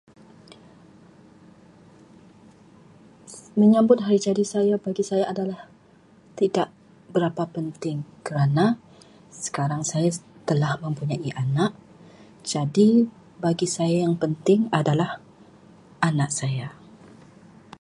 Menyambut hari jadi saya bagi saya adalah tidak berapa penting, kerana sekarang saya telah mempunyai anak. Jadi, bagi saya yang penting adalah anak saya.